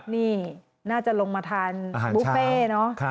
นี่น่าจะลงมาทานบุฟเฟ่เนอะ